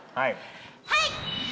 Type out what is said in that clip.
はい！